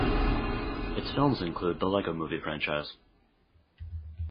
Its films include "The Lego Movie" franchise.